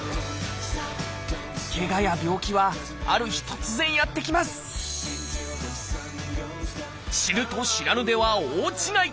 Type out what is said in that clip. けがや病気はある日突然やって来ます知ると知らぬでは大違い。